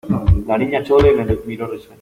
la Niña Chole me miró risueña: